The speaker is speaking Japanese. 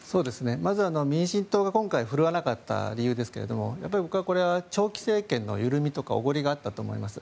まず民進党が今回振るわなかった理由ですが僕は長期政権の緩みとかおごりがあったと思います。